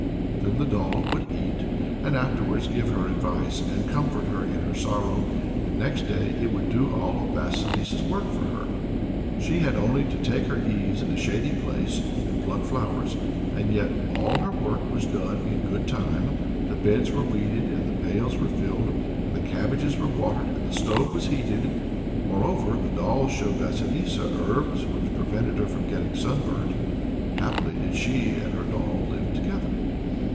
Then the doll would eat, and afterwards give her advice, and comfort her in her sorrow, and next day it would do all Vasilissa's work for her. She had only to take her ease in a shady place and pluck flowers, and yet all her work was done in good time; the beds were weeded, and the pails were filled, and the cabbages were watered, and the stove was heated. Moreover, the doll showed Vasilissa herbs which prevented her from getting sunburnt. Happily did she and her doll live together.